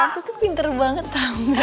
tante tuh pinter banget tante